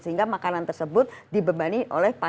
sehingga makanan tersebut dibebani makanannya